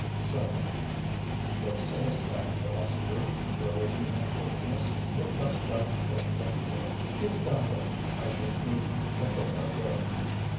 7. What sayest thou, philosopher? religion and holiness, what dost thou take them for? ——"If thou wilt, I shall prove that they are good."